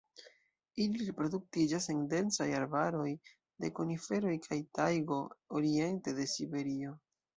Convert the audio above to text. Ili reproduktiĝas en densaj arbaroj de koniferoj kaj tajgo oriente de Siberio.